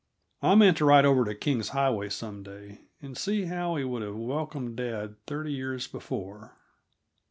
I meant to ride over to King's Highway some day, and see how he would have welcomed dad thirty years before.